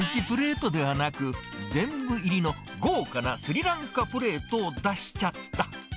プレートではなく、全部入りの豪華なスリランカプレートを出しちゃった。